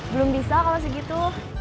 belum bisa kalo segitu